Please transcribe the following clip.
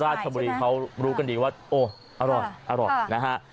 ราชบุรีเขารู้กันดีว่าโอ้อร่อยนะฮะ